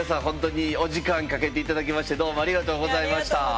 ほんとにお時間かけて頂きましてどうもありがとうございました。